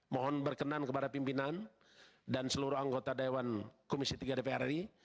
mohon berkenan kepada pimpinan dan seluruh anggota dewan komisi tiga dpr ri